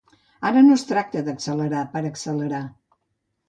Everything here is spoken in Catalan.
Ara no es tracta d’accelerar per accelerar.